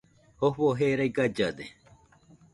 Jofo jerai gallade